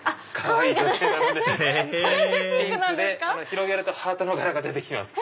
広げるとハートの柄が出ます。